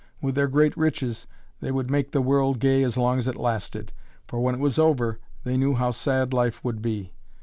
With their great riches, they would make the world gay as long as it lasted, for when it was over they knew how sad life would be.